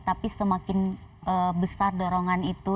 tapi semakin besar dorongan itu